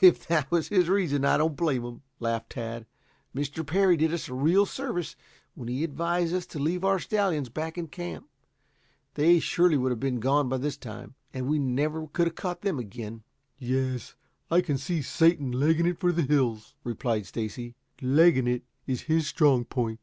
If that was his reason, I don't blame him," laughed Tad. "Mr. Parry did us a real service when he advised us to leave our stallions back in camp. They surely would have been gone by this time, and we never could have caught them again." "Yes; I can see Satan legging it for the hills," replied Stacy. "Legging it is his strong point."